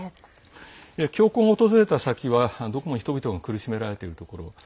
教皇が訪れた先はどこも人々が苦しめられているところ。